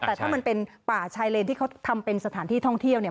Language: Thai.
แต่ถ้ามันเป็นป่าชายเลนที่เขาทำเป็นสถานที่ท่องเที่ยวเนี่ย